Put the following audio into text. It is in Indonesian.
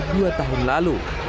dua tahun lalu